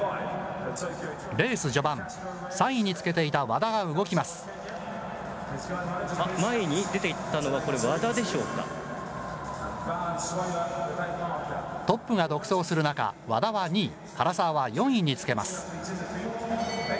レース序盤、前に出ていったのは、これ、トップが独走する中、和田は２位、唐澤は４位につけます。